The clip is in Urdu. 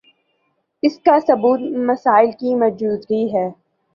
اسکا ثبوت مسائل کی موجودگی ہے